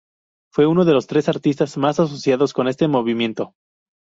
Fue uno de los tres artistas más asociados con este movimiento.